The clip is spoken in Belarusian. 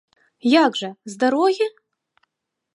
Як жа, з дарогі?